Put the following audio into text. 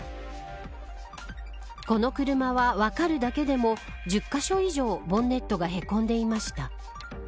この車は、分かるだけでも１０カ所以上、ボンネットがへこんでいました。